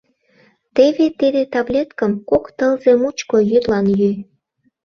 Теве, тиде таблеткым кок тылзе мучко йӱдлан йӱ.